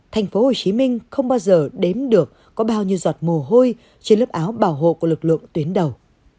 tp hcm không bao giờ đếm được có bao nhiêu giọt mồ hôi trên lớp áo bảo hộ của lực lượng tuyến đầu